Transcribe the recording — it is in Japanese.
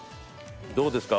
どうですか？